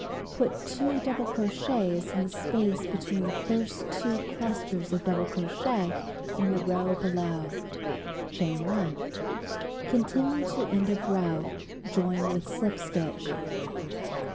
Put 2 double crochets in the space between the first two clusters of double crochet in the row below. Chain 1. Continue to end of row. Join with slip stitch.